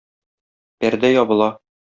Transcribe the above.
Пәрдә ябыла.